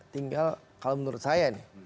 tinggal kalau menurut saya nih